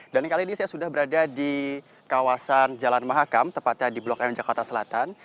dan kali ini saya sudah berada di kawasan jalan mahakam tepatnya di blok m jakarta selatan